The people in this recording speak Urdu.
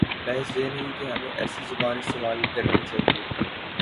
بحث یہ نہیں کہ ہمیں ایسی زبان استعمال کرنی چاہیے۔